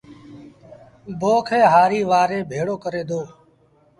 بوه کي هآريٚ وآري ڀيڙو ڪري دو